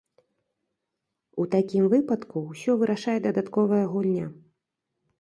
У такім выпадку ўсё вырашае дадатковая гульня.